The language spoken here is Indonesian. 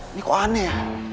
ini kok aneh ya